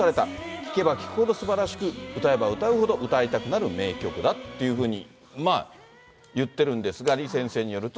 聞けば聞くほどすばらしく、歌えば歌うほど歌いたくなる名曲だっていうふうに言ってるんですが、李先生によると。